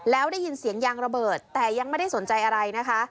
แล้วได้ยินเสียงยางระเบิดแต่ยังไม่ได้สนใจอะไรนะคะ